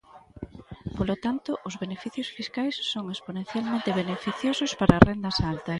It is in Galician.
Polo tanto, os beneficios fiscais son exponencialmente beneficiosos para as rendas altas.